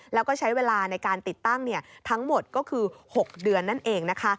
แล้วก็ใช้เวลาในการติดตั้งทั้งหมดก็คือ๖เดือนนั่นเองนะคะ